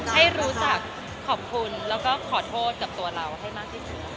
ให้รู้จักขอบคุณแล้วก็ขอโทษกับตัวเราให้มากที่สุด